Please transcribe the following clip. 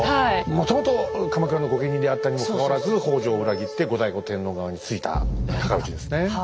もともと鎌倉の御家人であったにもかかわらず北条を裏切って後醍醐天皇側についた尊氏ですね。